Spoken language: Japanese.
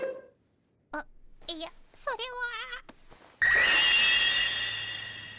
あっいやそれは。